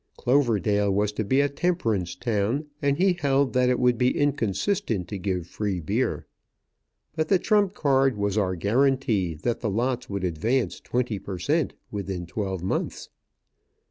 Cloverdale was to be a temperance town, and he held that it would be inconsistent to give free beer. But the trump card was our guarantee that the lots would advance twenty per cent, within twelve months.